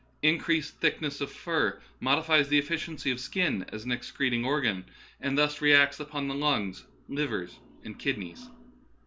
Increased thick ness of fur modifies the efficiency of the skin as an excreting organ, and thus reacts upon the lungs, liver, and kidneys.